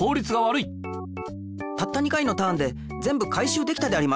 たった２回のターンでぜんぶ回しゅうできたであります。